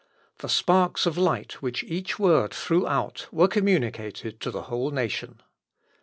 The sparks of light which each word threw out were communicated to the whole nation.